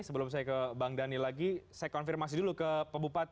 sebelum saya ke bang dhani lagi saya konfirmasi dulu ke pebupaten